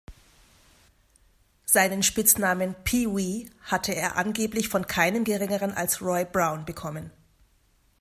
Seinen Spitznamen "Pee Wee" hatte er angeblich von keinem Geringeren als Roy Brown bekommen.